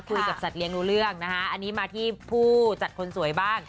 สัตว์เลี้ยงรู้เรื่องนะคะอันนี้มาที่ผู้จัดคนสวยบ้าง